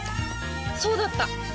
そうだった！